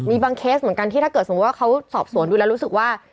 มีบางเคสเหมือนกันที่ถ้าเกิดสมมุติว่าเขาสอบสวนดูแล้วรู้สึกว่า